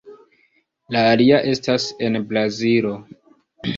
La alia estas en Brazilo.